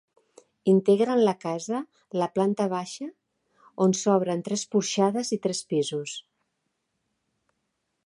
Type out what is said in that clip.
Integren la casa la planta baixa, on s'obren tres porxades, i tres pisos.